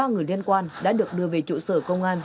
một mươi ba người liên quan đã được đưa về trụ sở công an